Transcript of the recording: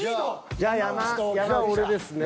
じゃあ俺ですね。